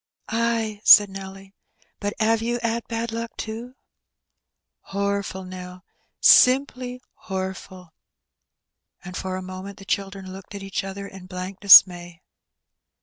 " i|iilite " Ay," said Nelly. " But 'ave you 'ad bad luck too ?"" Horful, Nell — simply horful !" And for a moment the children looked at each other in blank dismay.